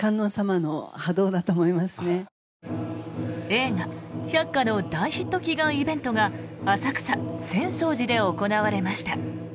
映画「百花」の大ヒット祈願イベントが浅草・浅草寺で行われました。